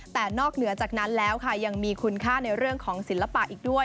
แต่นอกเหนือจากนั้นแล้วค่ะยังมีคุณค่าในเรื่องของศิลปะอีกด้วย